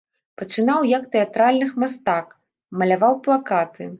Пачынаў як тэатральных мастак, маляваў плакаты.